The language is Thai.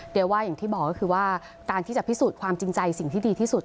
เดี๋ยวว่าอย่างที่บอกก็คือว่าการที่จะพิสูจน์ความจริงใจสิ่งที่ดีที่สุด